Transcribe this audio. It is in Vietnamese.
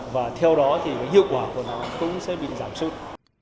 và theo đó thì hiệu quả của nó cũng sẽ bị giảm sút